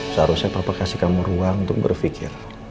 seharusnya papa kasih kamu ruang untuk berfikir